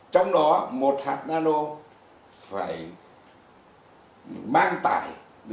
trong đó một hạt nano phải mang tải được hạt lượng hoạt chất tương đối